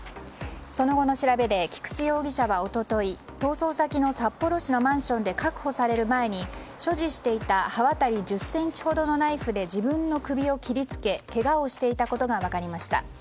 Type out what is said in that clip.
その後の調べで菊池容疑者は一昨日逃走先の札幌市のマンションで確保される前に所持していた刃渡り１０ｃｍほどのナイフで自分の首を切りつけけがをしていたことが分かりました。